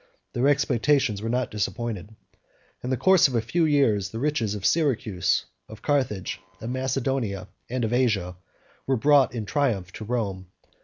Their expectations were not disappointed. In the course of a few years, the riches of Syracuse, of Carthage, of Macedonia, and of Asia, were brought in triumph to Rome.